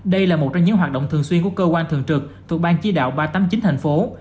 đây là một trong những hoạt động thường xuyên của cơ quan thường trực thuộc ban chỉ đạo ba trăm tám mươi chín thành phố